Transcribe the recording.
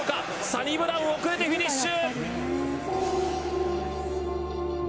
サニブラウン、遅れてフィニッシュ。